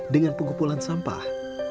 dengan pengumpulan sampah